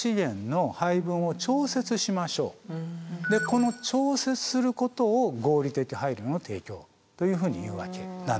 この調節することを合理的配慮の提供というふうにいうわけなんです。